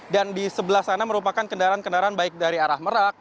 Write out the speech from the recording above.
dan di sebelah sana merupakan kendaraan kendaraan baik dari arah merak